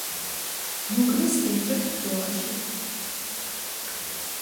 მოკლეს ერთ-ერთ ბრძოლაში.